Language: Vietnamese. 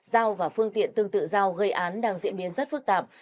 dao và phương tiện tương tự dao gây án đang diễn biến rất phức tạp